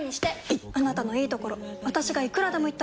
いっあなたのいいところ私がいくらでも言ってあげる！